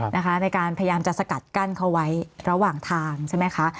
ในการพยายามจะสกัดกั้นเขาไว้ระหว่างทางใช่ไหมคะ